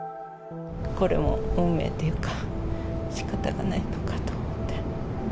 これも運命というか、しかたがないのかと思って。